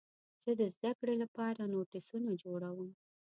زه د زدهکړې لپاره نوټسونه جوړوم.